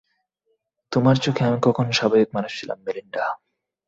তোমার চোখে আমি কখন স্বাভাবিক মানুষ ছিলাম, মেলিন্ডা?